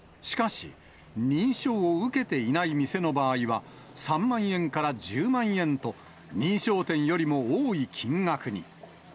しかし、認証を受けていない店の場合は、３万円から１０万円と、認証店よりも多い金額に。